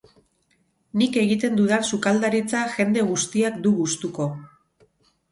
Nik egiten dudan sukaldaritza jende guztiak du gustuko.